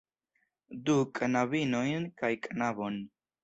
Du knabinojn kaj knabon.